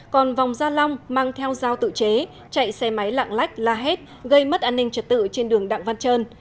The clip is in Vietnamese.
còn vòng gia long mang theo dao tự chế chạy xe máy lạng lách la hét gây mất an ninh trật tự trên đường đặng văn trơn